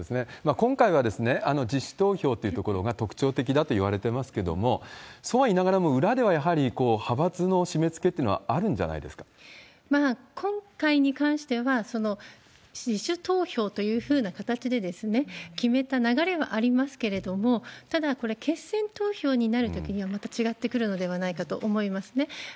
今回は自主投票というところが特徴的だといわれていますけれども、そうは言いながらも、裏ではやはり派閥の締め付けってのはあるんじゃないまあ、今回に関しては、その自主投票というふうな形で決めた流れはありますけれども、ただ、これ、決選投票になるときにはまた違ってくるのではないかと思いますね。